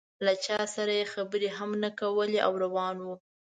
له چا سره یې خبرې هم نه کولې او روان و.